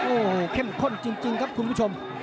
โอ้โหเข้มข้นจริงครับคุณผู้ชม